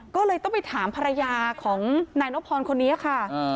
ก็เลยต้องไปถามภรรยาของนายนพรคนนี้ค่ะ